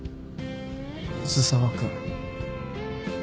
水沢君。